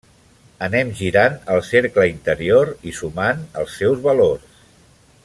Anem girant el cercle interior i sumant els seus valors.